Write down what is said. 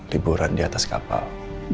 liburan di atas kapal